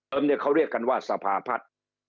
เพราะนี่เขาเรียกกันว่าทรัพพัภน์